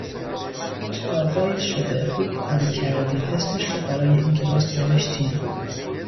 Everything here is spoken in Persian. چه آقایی شده خوب کاری کردین اسمش رو برای این کلاس نوشتین